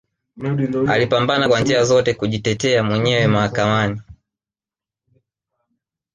Alipambana kwa njia zote kujitetea mwenyewe mahakani